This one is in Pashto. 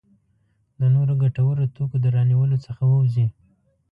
د نورو ګټورو توکو د رانیولو څخه ووځي.